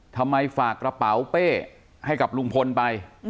ฝากกระเป๋าเป้ให้กับลุงพลไป